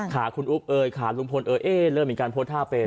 ขาคุณอุ๊บเอ่ยขาลุงพลเอยเริ่มมีการโพสต์ท่าเป็น